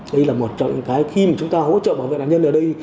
đây là một trong những cái khi chúng ta hỗ trợ bảo vệ đàn nhân ở đây